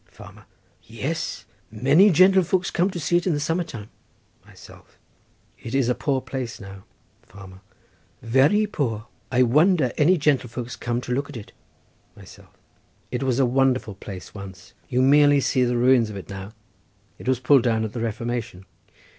Farmer.—Yes! many gentlefolk come to see it in the summer time. Myself.—It is a poor place now. Farmer.—Very poor, I wonder any gentlefolks come to look at it. Myself.—It was a wonderful place once; you merely see the ruins of it now. It was pulled down at the Reformation.